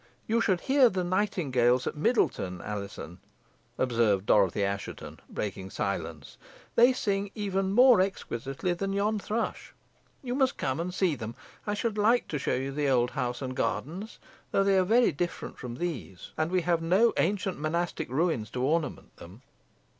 "You should hear the nightingales at Middleton, Alizon," observed Dorothy Assheton, breaking silence; "they sing even more exquisitely than yon thrush. You must come and see me. I should like to show you the old house and gardens, though they are very different from these, and we have no ancient monastic ruins to ornament them.